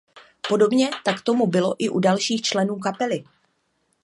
Podobně tak tomu bylo i u dalších členů kapely.